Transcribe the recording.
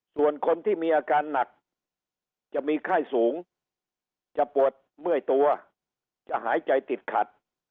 ส่วนคนที่มีอาการหนักจะมีไข้สูงจะปวดเมื่อยตัวจะหายใจติดขัด